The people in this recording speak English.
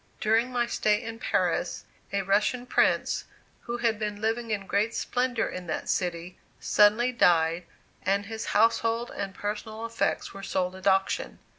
During my stay in Paris, a Russian Prince, who had been living in great splendor in that city, suddenly died, and his household and personal effects were sold at auction.